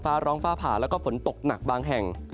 ฟ้าร้องฟ้าผ่าแล้วก็ฝนตกหนักบางแห่ง